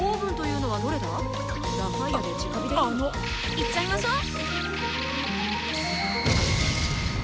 いっちゃいましょう！